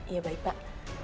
iya baik pak